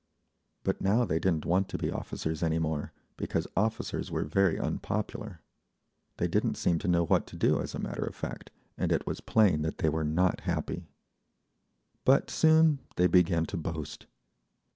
But now they didn't want to be officers any more, because officers were very unpopular. They didn't seem to know what to do, as a matter of fact, and it was plain that they were not happy. But soon they began to boast.